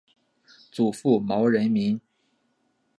祖父毛仁民。